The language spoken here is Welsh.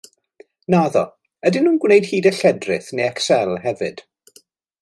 Naddo, ydyn nhw'n gwneud hyd a lledrith neu Excel hefyd?